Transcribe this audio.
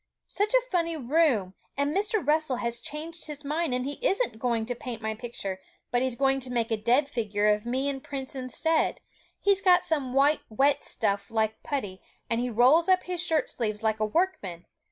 'Such a funny room! and Mr. Russell had changed his mind, and he isn't going to paint my picture; but he's going to make a dead figure of me and Prince instead; he's got some white wet stuff like putty, and he rolls up his shirt sleeves like a workman!